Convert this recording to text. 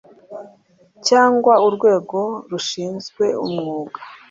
cyangwa urwego rushinzwe umwuga